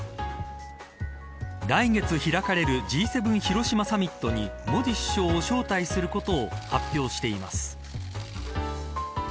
来月開かれるＧ７広島サミットにモディ首相を招待することを発表しています。